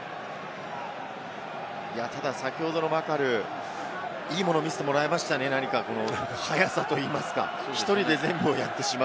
ただ先ほどのマカルー、いいものを見せてもらいましたね、何か速さといいますか、１人で全部やってしまう。